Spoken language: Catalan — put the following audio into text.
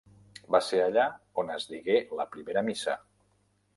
Va ser allà on es digué la primera missa.